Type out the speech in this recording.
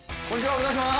お願いしまーす。